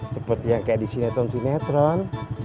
seperti yang kayak di sinetron sinetron